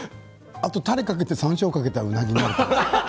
あと、タレをかけてさんしょうをかけたらうなぎになる。